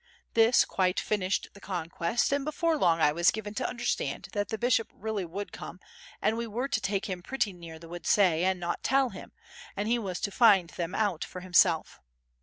This quite finished the conquest, and before long I was given to understand that the bishop really would come and we were to take him pretty near the Woodsias and not tell him, and he was to find them out for himself.